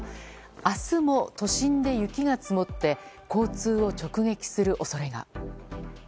明日も都心で雪が積もって交通を直撃する恐れが。